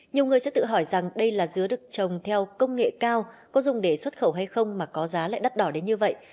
nhiều người sẽ tự hỏi rằng đây là dứa được trồng theo công nghệ cao có dùng để xuất khẩu hay không mà có giá lại đắt đỏ đến như vậy